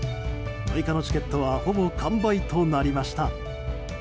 ６日のチケットはほぼ完売となりました。